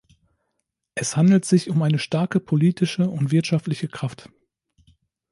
Es handelt sich um eine starke politische und wirtschaftliche Kraft.